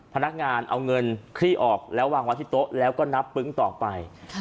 พนักงานเอาเงินคลี่ออกแล้ววางไว้ที่โต๊ะแล้วก็นับปึ๊งต่อไป